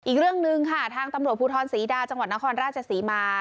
อีกเรื่องหนึ่งค่ะทางตำรวจภูทรศรีดาจังหวัดนครราชศรีมา